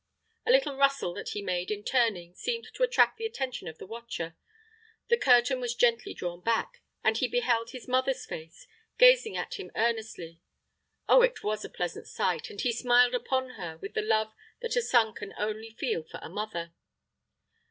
The little rustle that he made in turning seemed to attract the attention of the watcher. The curtain was gently drawn back, and he beheld his mother's face gazing at him earnestly. Oh, it was a pleasant sight; and he smiled upon her with the love that a son can only feel for a mother.